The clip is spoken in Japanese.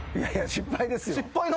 失敗ですよ。